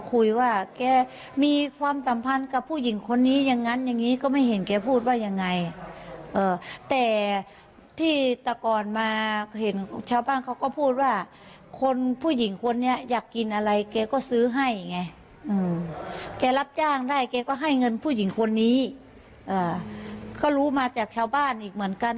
แกก็ให้เงินผู้หญิงคนนี้ก็รู้มาจากชาวบ้านอีกเหมือนกัน